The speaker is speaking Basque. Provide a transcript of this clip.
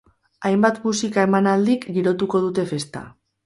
Hainbat musika-emanaldik girotuko dute festa.